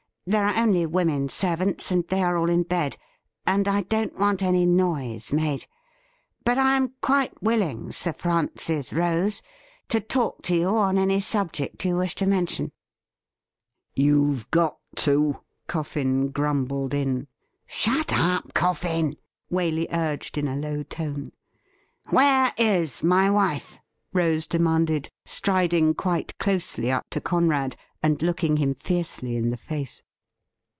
There are only women servants, and they are all in bed, ■ and I don't want any noise made. But I am quite willing, Sir Francis Rose, to talk to you on any subject you wish to mention '' YouVe got to !' Coffin grumbled in. ' Shut up, Coffin !' Waley urged in a low tone. 'Where is my wife.?' Rose demanded, striding quite closely up to Conrad, and looking him fiercely in the face.